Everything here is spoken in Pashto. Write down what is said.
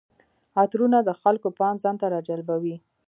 عطرونه د خلکو پام ځان ته راجلبوي.